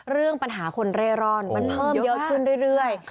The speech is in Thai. เรื่องปัญหาคนเร่ร่อนมันเพิ่มเยอะขึ้นเรื่อย